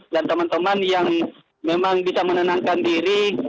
dan teman teman yang memang bisa menenangkan diri